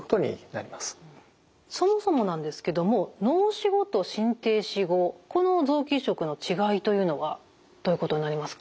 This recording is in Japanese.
そもそもなんですけども脳死後と心停止後この臓器移植の違いというのはどういうことになりますか？